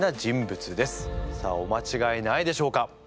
さあおまちがえないでしょうか？